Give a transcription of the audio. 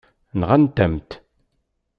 Nɣant-am-t.